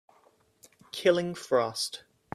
Killing frost